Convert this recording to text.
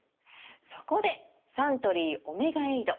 そこでサントリー「オメガエイド」！